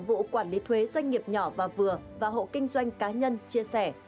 phó vụ trưởng vụ quản lý thuế doanh nghiệp nhỏ và vừa và hộ kinh doanh cá nhân chia sẻ